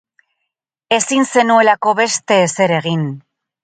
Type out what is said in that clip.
Ezin zenuelako beste ezer egin.